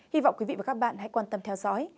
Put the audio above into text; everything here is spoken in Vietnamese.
hy vọng quý vị và các bạn hãy quan tâm theo dõi